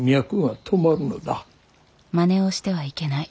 まねをしてはいけない。